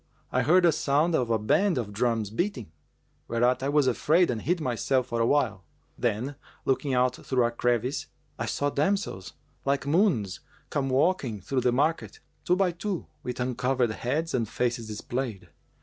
I heard a sound of a band of drums beating; whereat I was afraid and hid myself for a while: then, looking out through a crevice, I saw damsels, like moons, come walking through the market, two by two, with uncovered heads and faces displayed.